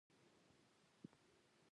هندوکش د پوهنې په نصاب کې دی.